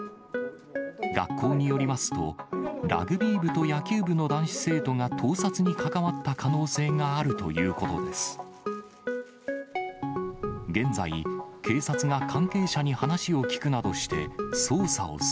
学校によりますと、ラグビー部と野球部の男子生徒が盗撮に関わった可能性があるということです。